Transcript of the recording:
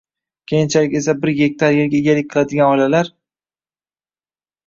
Keyinchalik esa bir gektar yerga egalik qiladigan oilalar